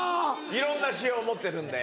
いろんな仕様を持ってるんで。